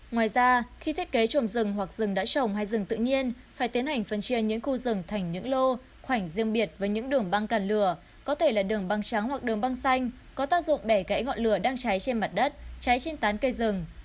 ngoài ra khi thiết kế trồng rừng hoặc rừng đã trồng hay rừng tự nhiên phải tiến hành phân chia những khu rừng thành những lô khoảnh riêng biệt với những đường băng càn lửa có thể là đường băng tráng hoặc đường băng xanh có tác dụng bẻ gãy ngọn lửa đang cháy trên mặt đất cháy trên tán cây rừng